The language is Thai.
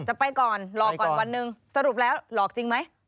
ไปก่อนหลอกก่อนวันหนึ่งสรุปแล้วหลอกจริงไหม